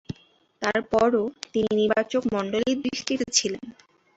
তারপরও তিনি নির্বাচকমণ্ডলীর দৃষ্টিতে ছিলেন।